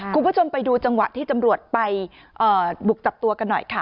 คุณผู้ชมไปดูจังหวะที่ตำรวจไปบุกจับตัวกันหน่อยค่ะ